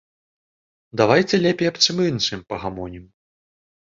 Давайце лепей аб чым іншым пагамонім.